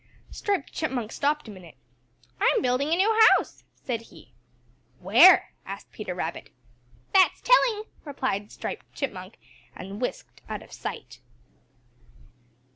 Striped Chipmunk stopped a minute. "I'm building a new house," said he. "Where?" asked Peter Rabbit. "That's telling," replied Striped Chipmunk, and whisked out of sight.